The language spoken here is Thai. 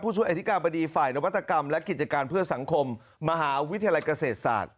ช่วยอธิการบดีฝ่ายนวัตกรรมและกิจการเพื่อสังคมมหาวิทยาลัยเกษตรศาสตร์